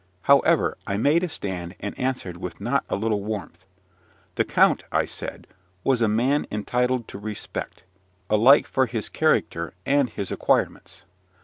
However, I made a stand, and answered with not a little warmth. The count, I said, was a man entitled to respect, alike for his character and his acquirements.